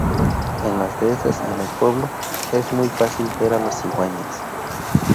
En las dehesas y en el pueblo es muy fácil ver a las cigüeñas.